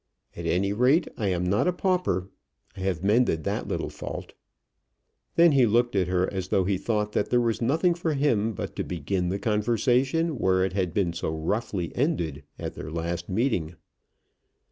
At any rate I am not a pauper. I have mended that little fault." Then he looked at her as though he thought that there was nothing for him but to begin the conversation where it had been so roughly ended at their last meeting.